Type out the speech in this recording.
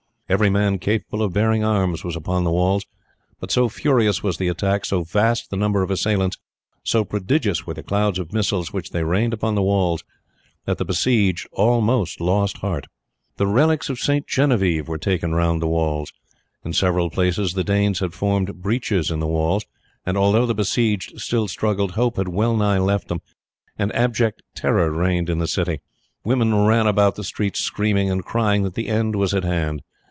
Every man capable of bearing arms was upon the walls; but so furious was the attack, so vast the number of the assailants, so prodigious were the clouds of missiles which they rained upon the walls, that the besieged almost lost heart. The relics of St. Genevieve were taken round the walls. In several places the Danes had formed breaches in the walls, and although the besieged still struggled, hope had well nigh left them, and abject terror reigned in the city. Women ran about the streets screaming, and crying that the end was at hand.